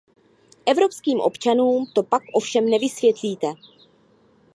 Evropským občanům to pak ovšem nevysvětlíte.